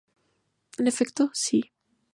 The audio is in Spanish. En efecto, sí.